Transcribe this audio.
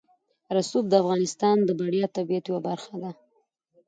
رسوب د افغانستان د بډایه طبیعت یوه برخه ده.